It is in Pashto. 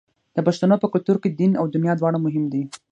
د پښتنو په کلتور کې دین او دنیا دواړه مهم دي.